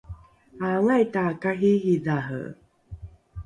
aangai takariiridhare?